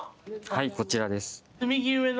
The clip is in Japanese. はいこちらです。